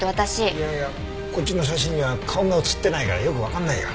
いやいやこっちの写真には顔が映ってないからよくわかんないよ。